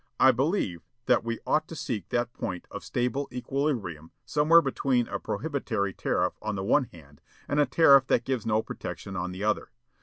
_ I believe that we ought to seek that point of stable equilibrium somewhere between a prohibitory tariff on the one hand and a tariff that gives no protection on the other.